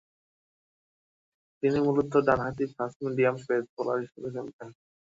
তিনি মূলতঃ ডানহাতি ফাস্ট-মিডিয়াম পেস বোলার হিসেবে খেলতেন।